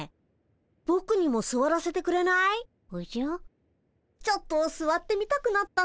ちょっとすわってみたくなったんだよね。